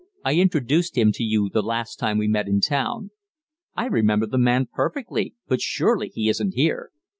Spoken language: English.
I introduced him to you the last time we met in town." "I remember the man perfectly, but surely he isn't here."